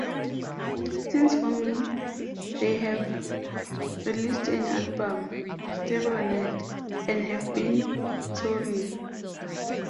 Since forming they have released an album, "Stereo Night", and have been touring.